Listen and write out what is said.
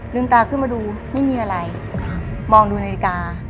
ตาขึ้นมาดูไม่มีอะไรมองดูนาฬิกา